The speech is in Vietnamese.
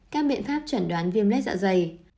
các biện pháp chuẩn đoán viêm lết dạ dày